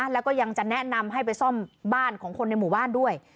แล้วก็ยังจะแนะนำให้ไปซ่อมบ้านของคนในหมู่บ้านด้วย